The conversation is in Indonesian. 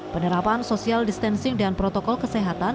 penerapan social distancing dan protokol kesehatan